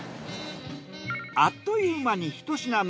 あっという間にひと品目